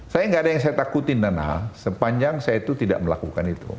saya nggak ada yang saya takutin nana sepanjang saya itu tidak melakukan itu